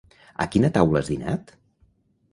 A quina taula has dinat?